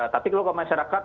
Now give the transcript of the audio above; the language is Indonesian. tapi kalau ke masyarakat